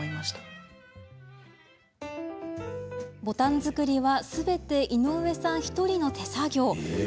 ボタン作りは、すべて井上さん１人の手作業。